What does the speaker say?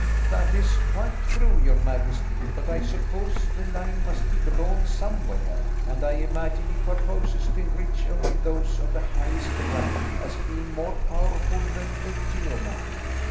"That is quite true, your majesty; but I suppose the line must be drawn somewhere, and I imagine he purposes to enrich only those of the highest rank, as being more powerful than the yeomen."